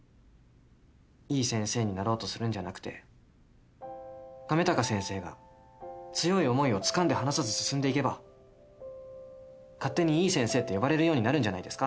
いい先生になろうとするんじゃなくて亀高先生が強い思いをつかんで離さず進んでいけば勝手にいい先生って呼ばれるようになるんじゃないですか？